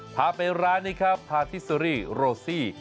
พาไปร้านนี้ครับพาทิเซอรี่โรซี่